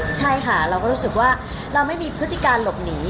ใช่ค่ะเราก็รู้สึกว่าเราไม่มีพฤติการหลบหนี